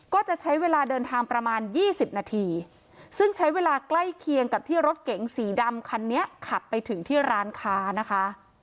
ก็จะใช้เวลาเดินทางประมาณ๒๐นาทีซึ่งใช้เวลาใกล้เคียงกับที่รถเก๋งสีดำคันนี้ขับไปถึงที่ร้านค้านะคะ